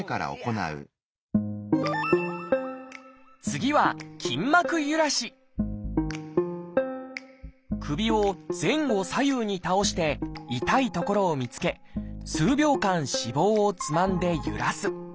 次は首を前後左右に倒して痛い所を見つけ数秒間脂肪をつまんでゆらす。